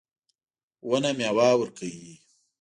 ونه میوه ورکوي